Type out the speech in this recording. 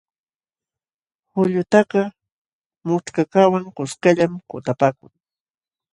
Qullutakaq mućhkakaqwan kuskallam kutapaakun.